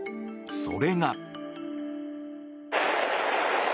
それが。